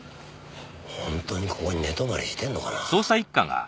本当にここに寝泊まりしてんのかな？